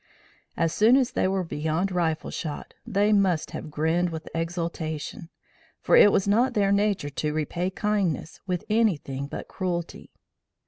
As soon as they were beyond rifle shot, they must have grinned with exultation, for it was not their nature to repay kindness with anything but cruelty.